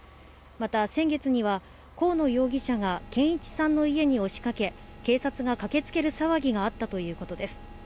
また先月には、河野容疑者が健一さんの家に押しかけ、警察が駆けつける騒ぎがあったということです。